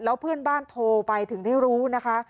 แล้วเพื่อนบ้านโทรไปถึงได้รู้นะคะ